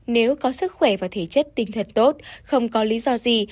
nếu có sức khỏe và thể chất tinh thần tốt không có lý do gì